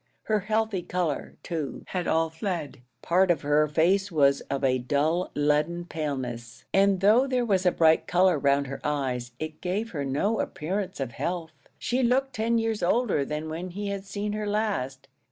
Her healthy colour, too, had all fled; part of her face was of a dull leaden paleness, and though there was a bright colour round her eyes, it gave her no appearance of health. She looked ten years older than when he had seen her last.